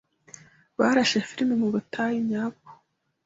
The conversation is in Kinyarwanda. Barashe firime mubutayu nyabwo.